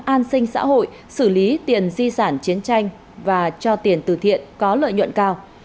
an sinh xã hội xử lý tiền di sản chiến tranh và cho tiền từ thiện có lợi nhuận cao